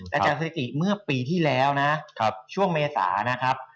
อาจารย์สถิติเมื่อปีที่แล้วนะช่วงเมษานะครับ